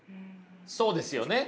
そうですよね。